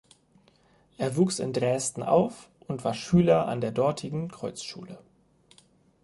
Er wuchs in Dresden auf und war Schüler an der dortigen Kreuzschule.